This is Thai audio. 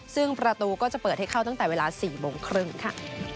ซึ่งประตูก็จะเปิดให้เข้าตั้งแต่เวลา๔โมงครึ่งค่ะ